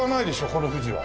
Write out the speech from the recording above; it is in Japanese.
この富士は。